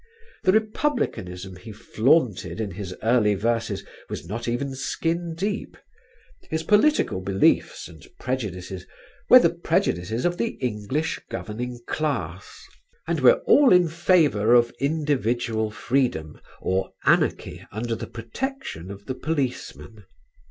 The republicanism he flaunted in his early verses was not even skin deep; his political beliefs and prejudices were the prejudices of the English governing class and were all in favour of individual freedom, or anarchy under the protection of the policeman.